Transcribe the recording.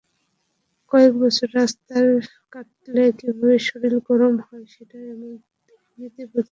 কয়েক বছর রাস্তায় কাটালে কীভাবে শরীর গরম রাখতে হয় সেটা এমনিতেই বুঝে যাবেন!